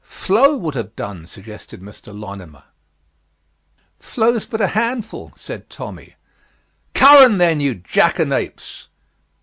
"Flow would have done," suggested Mr. Lonimer. "Flow's but a handful," said Tommy. "Curran, then, you jackanapes!"